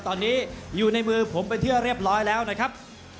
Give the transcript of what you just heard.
ตอนนี้อยู่ในมือผมเป็นที่เรียบร้อยแล้วนะครับ